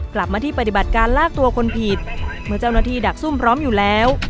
กลับมาที่ปฏิบัติการลากตัวคนผิดเมื่อเจ้าหน้าที่ดักซุ่มพร้อมอยู่แล้ว